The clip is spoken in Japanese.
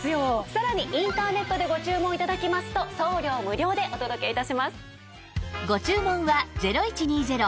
さらにインターネットでご注文頂きますと送料無料でお届け致します。